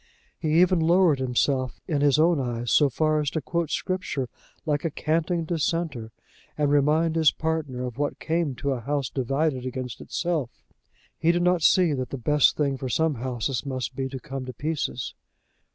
He even lowered himself in his own eyes so far as to quote Scripture like a canting dissenter, and remind his partner of what came to a house divided against itself. He did not see that the best thing for some houses must be to come to pieces.